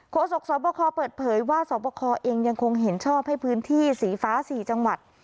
โศกสวบคเปิดเผยว่าสอบคอเองยังคงเห็นชอบให้พื้นที่สีฟ้า๔จังหวัด